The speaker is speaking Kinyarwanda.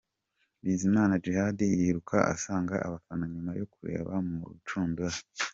Bizimana Djihad yiruka asanga abafana nyuma yo kureba mu rucundura.